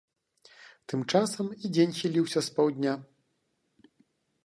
Тым часам і дзень хіліўся з паўдня.